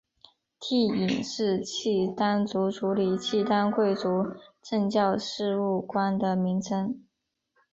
惕隐是契丹族处理契丹贵族政教事务官的名称。